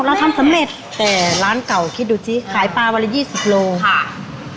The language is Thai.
เราทำสำเร็จแต่ร้านเก่าคิดดูสิขายปลาวันละยี่สิบโลค่ะ